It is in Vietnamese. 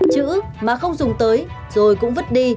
chữ mà không dùng tới rồi cũng vứt đi